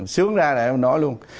xướng ra là em nói luôn